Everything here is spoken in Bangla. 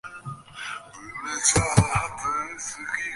প্রাণায়াম দ্বারা চিত্তের এই আবরণ দূরীভূত হয়।